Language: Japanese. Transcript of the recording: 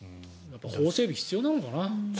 法整備が必要なのかな。